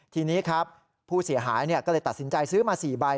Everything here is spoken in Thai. ทีนี้ครับผู้เสียหายก็เลยตัดสินใจซื้อมา๔ใบ